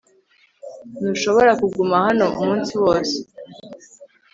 ntushobora kuguma hano umunsi wose